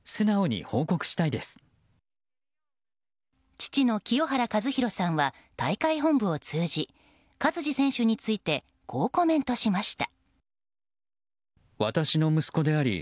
父の清原和博さんは大会本部を通じ勝児選手についてこうコメントしました。